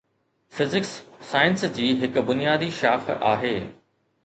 physics science جي هڪ بنيادي شاخ آهي